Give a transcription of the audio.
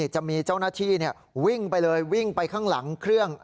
จะมีเจ้าหน้าที่วิ่งไปเลยวิ่งไปข้างหลังเครื่อง